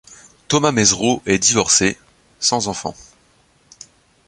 Thomas Mesereau est divorcé, sans enfants.